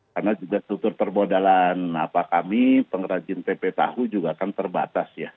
karena juga struktur perbodalan kami pengrajin tempe tahu juga kan terbatas ya